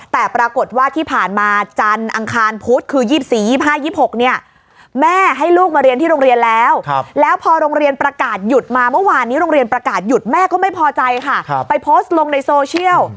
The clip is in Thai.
แต่ปรากฏว่าที่ผ่านมาจันทร์อังคารพุธคือ๒๔๒๕๒๖เนี่ยแม่ให้ลูกมาเรียนที่โรงเรียนแล้วแล้วพอโรงเรียนประกาศหยุดมาเมื่อวานนี้โรงเรียนประกาศหยุดแม่ก็ไม่พอใจค่ะไปโพสต์ลงในโซเชียล